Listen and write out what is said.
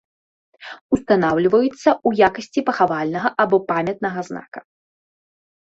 Устанаўліваецца ў якасці пахавальнага або памятнага знака.